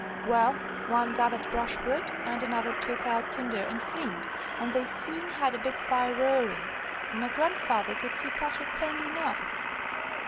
Well, one gathered brushwood, and another took out tinder and flint, and they soon had a big fire roaring, and my grandfather could see Patrick plainly enough.